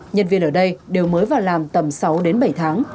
nhân viên ở đây đều mới vào làm tầm sáu đến bảy tháng